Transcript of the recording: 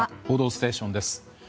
「報道ステーション」です。